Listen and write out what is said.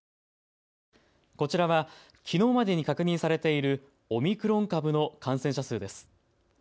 こちらは、きのうまでに確認されているオミクロン株の感染者数です。